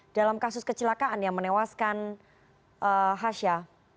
dalam kasus kecelakaan yang menewaskan hasha